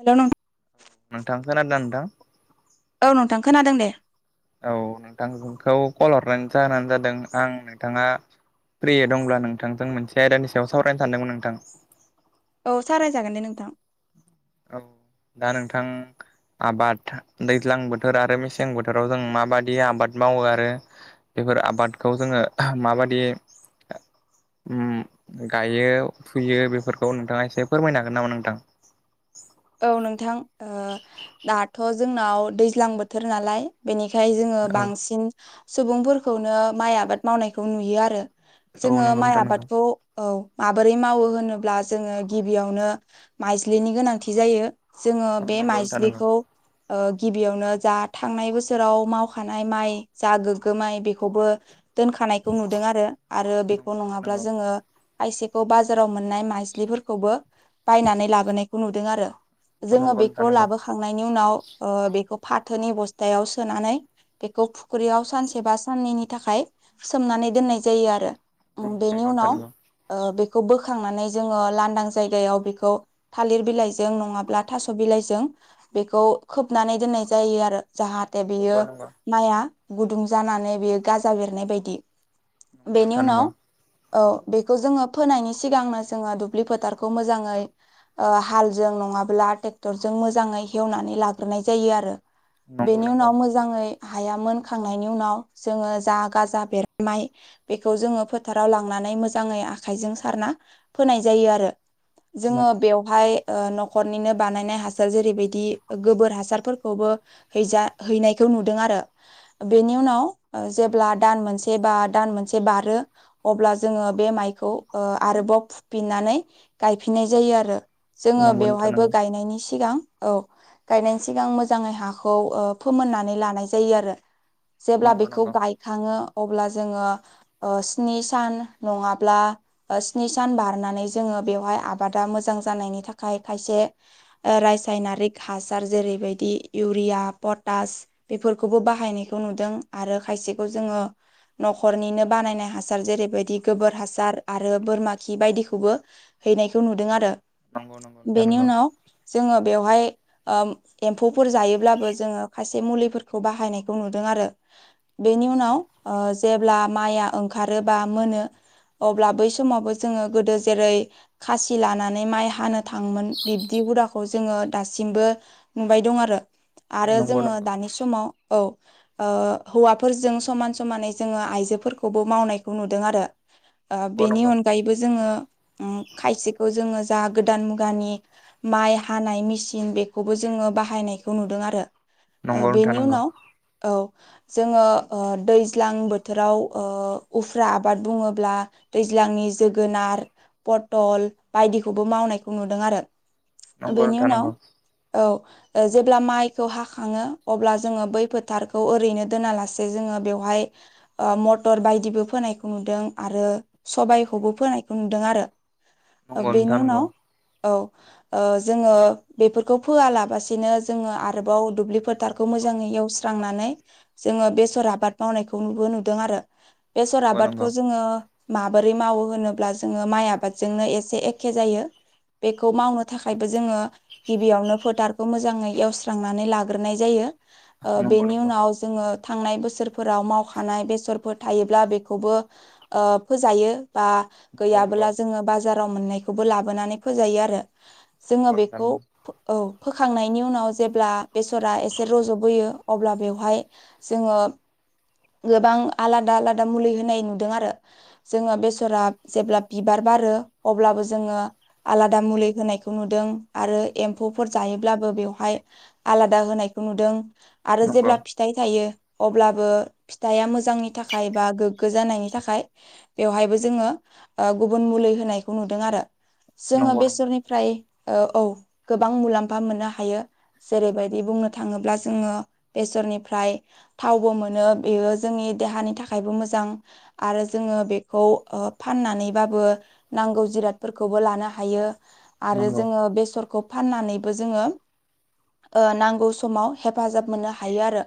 हेल' नों नोंथां खोनादों नोंथां? औ नोंथां खोनादों दे औ नोंथांखौ कल हरनाय जाहानो जादों आं नोंथाङा फ्रि दंब्ला नोंथांजों मोनसे आयदानि सायाव सावरायनो सानदोंमोन नोंथां औ साव रायजागोन दे नोंथां औ दा नोंथां आबाद दैज्लां बोथोर आरो मेसें बोथोराव जों माबादि आबाद मावो आरो बे बेफोर आबादखौ जोङो माबायदियै गायो फुयो बेफोरखौ नोंथाङा एसे फोरमायनो हागोन नामा नोंथां? औ नोंथां दाथ' जोंनाव दैज्लां बोथोर नालाय बेनिखायनो बेखाय जोङो औ बांसिन सुबुंफोरखौनो माइ आबाद मावनायखौ नुयो आरो औ जोङो नंगौ माइ नोंथां नंगौ आबादखौ औ माबोरै मावो होनोब्ला जोङो गिबियावनो माइज्लिनि गोनांथि जायो। जोङो औ बे नंगौ नोंथां नंगौ माइज्लिखौ गिबियावनो जा थांनाय बोसोराव मावखानाय माइ जा गोग्गो माइ बेखौबो दोनखानायखौ नुदों आरो आरो बेखौ नंगौ नोंथां नङाब्ला नंगौ जोङो खायसेखौ बाजाराव मोननाय माजलिफोरखौबो बायनानै लाबोनायखौ नुदों आरो जोङो नंगौ बेखौ नोंथां नंगौ लाबोखांनायनि उनाव बेखौ फाथोनि बस्थायाव सोनानै बेखौ फुख्रियाव सानसे बा साननैनि थाखाय सोमनानै दोननाय जायो आरो नंगौ बेनि नंगौ नोंथां उनाव नंगौ बे बोखांनानै जोङो लांदां जायगायाव बेखौ थालिर बिलाइ नङाब थ बेखौ खोबनानै दनाय जायो‌आरो जाहाथे दा बेयो नंगौ नंगौ माइआ गुदुं जानानै बेयो गाजा बेरनाय बायदि नोंथां बेनिउनाव नंगौ औ बेखौ जोङो फोनायनि सिगांनो जोङो दुब्लि फोथारखौ मोजाङै हाल जों नङाब्ला ट्रेक्टरजों मोजाङै हेवनानै लाग्रोनाय जायो आरो नंगौ बेनि नंगौ उनाव मोजाङै हाया मोनखांनायनि उनाव जोङो जा गाजा बेरनाय बेखौ जोङो फोथाराव लांनानै मोजाङै आखायजों सारना फोनाय जायो आरो जोङो नंगौ नंगौ बेयावहाय न'खरनिनो बानायनाय हासार जेरैबायदि गोबोर हासारफोरखौबो हैजा हैनायखौ नुदों आरो बेनिन नंगौ नंगौ उनाव जेब्ला दान मोनसे बा दान मोनसे बारो अब्ला जोङो बे माइखौ ओ आरोबाव फुफिननानै गायफिननाय जायो आरो जोङो नंगौ नोंथां बेवहायबो नंगौ गायनायनि सिगां औ गायनायनि सिगां मोजाङै हाखौ फोमोननानै लानाय जायो आरो जेब्ला नंगौ बेखौ नंगौ गायखाङो अब्ला जोङो स्नि सान नङाब्ला स्नि सान बारनानै जोङो बेवहाय आबादा मोजां जानायनि थाखाय थाखाय खायसे रासायनारिक हासार जेरैबायदि इउरिया पटास बेफोरखौबो बाहायनायखौ नुदों आरो खायसेखौ जोङो न'खरनिनो बानायनाय हासार जेरैबायदि गोबोर हासार आरो बोरमा खि बायदिखौबो हैनायखौ नुदों आरो नंगौ नंगौ नोंथां बेनि उनाव जोङो बेवहाय एम्फौफोर जायोब्लाबो जोङो खायसे मुलिफोरखौ बाहायनायखौ नुदों आरो बेनि उनाव जेब्ला माइआ ओंखारो बा मोनो अब्ला बै समावबो जोङो गोदो जेरै खासि लानानै माइ हानो थाङोमोन बिब्दि हुदाखौ जोङो दासिमबो नुबाय दं आरो आरो नंगौ नंगौ जोङो दानि समाव औ ओ हौवाफोरजों समान समानै जोङो आइजोफोरखौबो मावनायखौ नुदों आरो बेनि अनगायैबो जोङो खायसेखौ जों जा गोदान मुगानि माइ हानाय मेसिन बेखौबो जोङो बाहायनायखौ नुदों आरो नंगौ नंगौ नोंथां बेनि नंगौ उनाव औ जोङो ओ दैज्लां बोथोराव ओ उफ्रा आबाद बुङोब्ला दै ज्लांनि जोगोनार फथल बायदिखौ बो मावनायखौ नुदों आरो बेनि उनाव औ ओ जेब्ला माइखौ हाखाङो अब्ला जोङो बै फोथारखौ ओरैनो दोनालासे जोङो बेव हाय मथर बायदिबो फोनायखौ नुदों आरो सबबायखौबो फोनायखौ नुदों आरो ओ बेनि मंगनथानद' उनाव औ ओ जोङो बेफोरखौ फोयालाबसिनो जोङो आरोबाव दुब्लि फोथारखौ मोजाङै एवस्रांनानै जोङो बेसर आबाद मावनायखौ नुबो नुदों आरो बेसर आबादखौ जोङो माबोरै मावो होनोब्ला जोङो माइ आबादजोंनो ए खे जायो बेखौ मावनो थाखायबो जोङो गिबियावनो फोथार खौ मोजाङै एवस्रांनानै लाग्रोनाय जायो ओ नंगौ बेनि उनाव जोङो थांनाय बोसोरफोराव मावखानाय बेसरफोर थायोब्ला बेखौबो ओ फोजायो बा नंगौ नोंथां गैयाबोला जोङो बाजाराव मोननायखौबो लाबोनानै फोजायो आरो नंगौ जोङो नोंथां बेखौ नंगौ औ फोखांनायनि उनाव जेब्ला बेसरा एसे रज'बोयो अब्ला बेवहाय जोङो गोबां आलादा आलादा मुलि होनाय नुदों आरो जोङो बेसरा जेब्ला बिबार बारो अब्लाबो जो ङो आलादा मुलि होनायखौ नुदों आरो एमफौफोर जायोब्लाबो बेवहाय आलादा होनायखौ नुदों आरो नंगौ जेब्ला फिथाइ थायो अब्लाबो फिथाइया मोजांनि थाखाय बा गोग्गो जानायनि थाखाय बेवहायबो जोङो ओ गुबुन मुलि होनायखौ नुदों आरो नंगौ जोङो बेसोरनिफ्राय ओ औ गोबां मुलाम्फा मोननो हायो जेरैबायदि बुंनो थाङोब्ला जोङो बे सरनिफ्राय थावबो मोनो बेयो जोंनि देहानि थाखायबो मोजां आरो जोङो बेखौ ओ फननानैबो नांगौ जिराद फोरखौबो लानो हायो आरो जोङो बेसरखौ फाननानैबो जोङो नांगौ ओ समाव हेफाजाब मोननो हायो आरो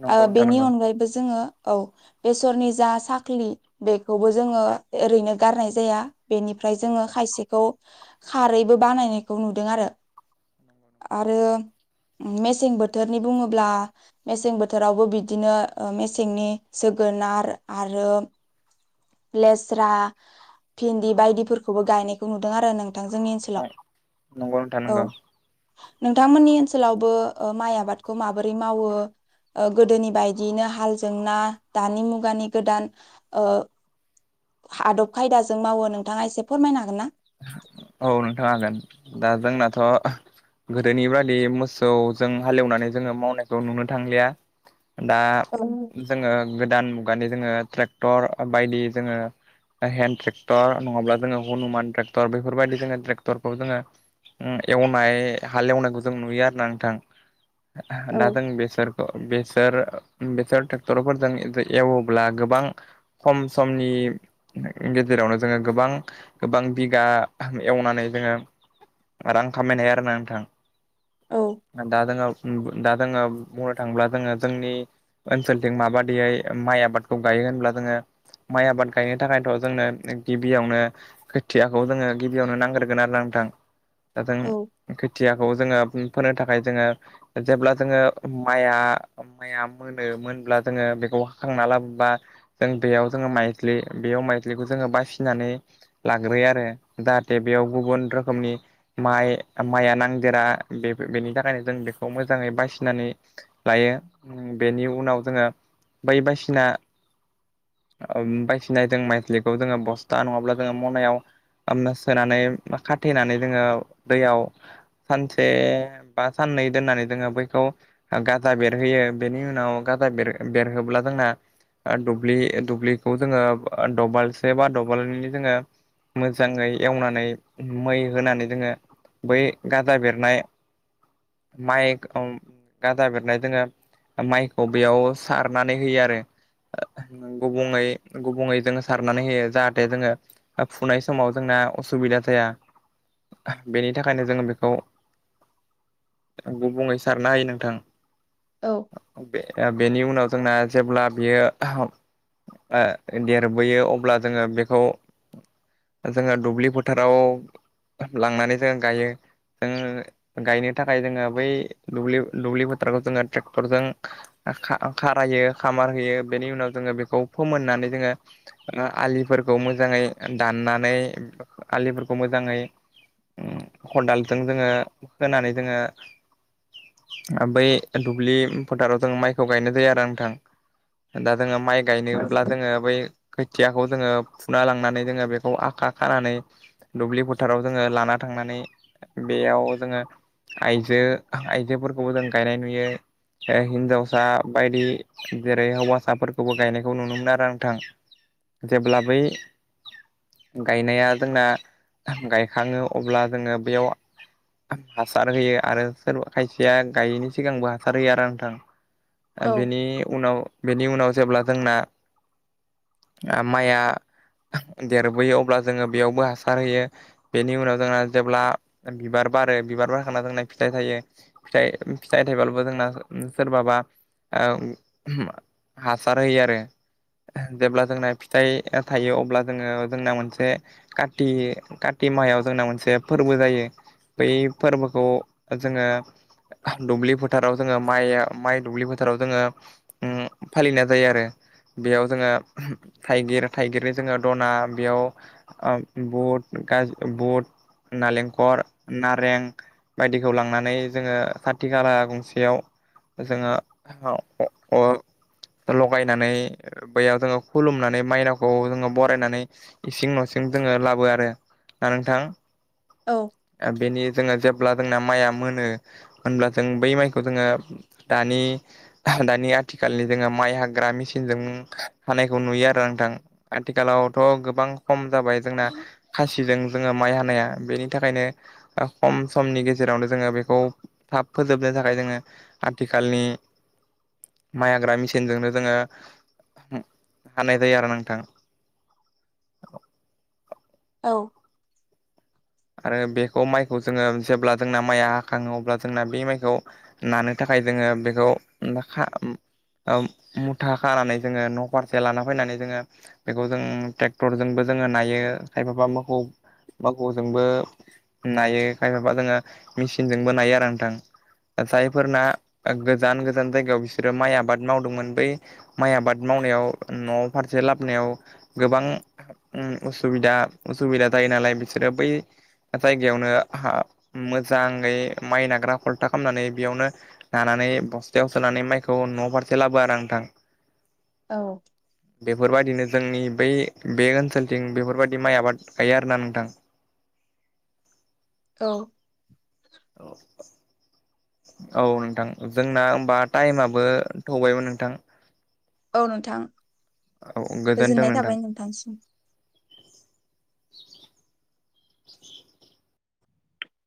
नंगौ ओ नोंथां बेनि नंगौ अनगायैबो जोङो औ बेसरनि जा साख्लि बेखौबो जोङो ओरैनो गारनाय जाया बेनिफ्राय जोङो खायसेखौ खारैबो बानायनायखौ नुदों आरो। आरो मेसें बोथोरनि बुङोब्ला मेसें बोथोरावबो बिदिनो मेसेंनि जो गोनार आरो लेस्रा, भिन्दि बायदिफोर खौबो गायनायखौ नुदों आरो नोंथां जोंनि ओनसोलाव। नंगौ नोंथां औ नंगौ नोंथांमोननि ओनसोलावबो ओ माइ आबादखौ माबोरै मावो ओ गोदोनि बायदियैनो हालजोंना दानि मुगानि गोदान ओ आदब खायदाजों मावो नोंथाङा एसे फोरमायनो हागोन ना? अ गोदोनि बादि मोसौजों हालेवनानै जोङो मावनायखौ नुनो थांलिया दा औ जोङो गोदान मुगानि जोङो ट्रेक्टर बायदि जोङो हेन्द ट्रेक्टर नङाब्ला जोङो हनुमान ट्रेक्टर बेफोरबायदि जोङो ट्रेक्टरखौ जोङो ओ एवनाय हाल एवनायखौ जों नुयो आरोना नोंथां। औ दा जों बेसरखौ बेसर बेसोर ट्रेक्टरफोरजों एवोब्ला गोबां खम समनि गेजेरावनो जोङो गोबां गोबां बिगा एवनानै जोङो रां खामायनो हायो आरोना नोंथां। औ दा जोङो दा जोङो बुंनो थाङोब्ला जोङो जोंनि ओनसोलथिं माबादियै माइ आबादखौ गायो होनब्ला जोङो माइ आबाद गायनो थाखायथ' जोंनो गिबियावनो खो थियाखौ जोङो गिबियावनो नांग्रोगोन आरोना नोंथां दा जों औ खोथियाखौ जोङो फोनो थाखाय जोङो जेब्ला जोङो माइआ माइया मोनो मोनब्ला जोङो बेखौ हाखांना लाबोबा जों दैयाव जोङो माइज्लि बेयाव माइज्लिखौ जोङो बासिनानै लाग्रोयो आरो जाहाथे बेयाव गुबुन रोखोमनि माइ माइया नांदेरा बे बेनि थाखायनो जों बेखौ मोजाङै बासिनानै लायो बेनि उनाव जोङो बै बायसिना बायसिनाजों माइज्लिखौ जोङो बस्था नङाब्ला जों मनायाव सोनानै खाथेनानै जोङो दैयाव सानसे बा साननै दोननानै जोङो बैखौ गाजा बेरहोयो बेनि उनाव गाजा बेरहोब्ला जोंना दुब्लि दुब्लिखौ जोङो दबालसे बा दबालनि जोङो मोजाङै एवनानै मै होनानै जोङो बै गाजा बेरनाय माइ गाजा बेरनाय जोङो माइखौ बेयाव सारनानै होयो आरो । ओ गुबुङै गुबुङै जोङो सारनानै होयो जाहाथे जोङो फुनाय समाव जोंना असुबिदा जाया। बेनि थाखायनो जोङो बेखौ गुबुङै सारनो हायो नोंथां औ बे-बेनि उन नाव जोंना जेब्ला बियो ओ देरबोयो अब्ला जोङो बेखौ जोङो दुब्लि फोथाराव लांनानै जोङो गायो। जों गायनो थाखाय जोङो बै दुब्लि दुब्लि फोथारखौ जोङो ट्रेक्टरजों खा-खारायो खामार होयो बेनि उनाव जोङो बेखौ फोमोननानै जोङो आलिफोर खौ मोजाङै दाननानै आलिफोरखौ मोजाङै खदालजों जोङो होनानै जोङो बै दुब्लि फोथाराव जों माइखौ गायनाय जायो आरो नोंथां दा जोङो माइ गायनोब्ला जोङो बै खोथियाखौ जोङो फुना लांनानै जोङो बेखौ आखा खानानै दुब्लि फोथाराव जोङो लाना थांनानै बेयाव जोङो आइजो आयजोफोरखौबो जों गायनाय नुयो हिनजावसा बायदि जेरै हौवासाफोरखौबो गायनायखौ नुनो मोनो आरो नोंथां। जेब्ला बै गायनाया जोंना गायखाङो अब्ला जोङो बेयाव हासार होयो आरो सोरबा खायसेया गायैनि सिगांबो हासार होयो आरो नोंथां। औ बेनि उनाव बेनि उनाव जेब्ला जोंना आ माइआ देरबोयो अब्ला जोङो बेयावबो हासार होयो बेनि उनाव जोंना जेब्ला बिबार बार रो बिबार बारखांना जोंना फिथाइ थायो फिथाइ फिथाइ थाइबालबो जोंना सोरबाबा आ हासार होयो आरो । जेब्ला जोंना फिथाइ थायो अब्ला जोङो जोंना मोनसे काति काति माहायाव जोंना मोनसे फोरबो जायो। बै फोरबोखौ जोङो दुब्लि फोथाराव जोङो माइया माइ दुब्लि फोथा थारआव जोङो फालिनाय जायो आरो। बेयाव जोङो थाइगिर थाइगिरनि जोङो दना बेयाव ओ बुट गाजि बुट नालेंखर नारें बायदिखौ लांनानै जोङो खाथि खाला गंसेयाव जोङो [unintelligible] लगायनानै बैयाव जोङो खुलुमनानै मायनावखौ जोङो बरायनानै इसिं न'सिं जोङो लाबो आरो दा नोंथां औ आ बेनि जोङो जेब ब्ला जोंना माइआ मोनो होनब्ला जों बै माइखौ जोङो दानि दानि आथिखालनि जोङो माइ हाग्रा मेसिनजों हानायखौ नुयो आरो नोंथां। आथिखालावथ' गोबां खम जाबाय जोंना खासिजों जोङो माइ हानाया बेनि थाखायनो खम समनि गेजेरावनो जोङो बेखौ थाब फोजोबनो थाखाय जोङो आथिखालनि माइ हाग्रा मेसिनजोंनो जोङो हानाय जायो आरो नोंथां। औ। आरो बेखौ माइखौ जोङो जेब्ला जोंना माइआ हाखाङो अब्ला जोंना बे माइखौ नानो थाखाय खाय जोङो बेखौ माखा ओ मुथा खानानै जोङो न' फारसे लाना फैनानै जोङो बेखौ जों ट्रेक्टरजोंबो जोङो नायो खायफाबा मोखौ मोखौ जोंबो नायो खायफाबा जोङो मेचिनजोंबो नायो आरो नोंथां। जायफोरना गोजान गोजान जायगायाव बिसोरो माइ आबाद मावदोंमोन बै माइ आबाद माव मावनायाव न' फारसे लाबनायाव गोबां उम असुबिदा असुबिदा जायो नालाय बिस सोरो बै जायगायावनो हा मोजाङै माइ नाग्रा खलथा खामनानै बेयावनो नाना नानै बस्थायाव सोनानै माइखौ न' फारसे लाबो आरो नोंथां। औ। बेफोरबायदिनो जोंनि बै बे ओनसोलथिं बेफोरबायदि माइ आबाद गायो आरोना नोंथां। औ। औ। औ नोंथां जोंना होमबा टाइमाबो थौबायमोन नोंथां। औ नोंथां औ गोजोन्थों गोजोननाय नोंथां थाबाय नोंथांसिम।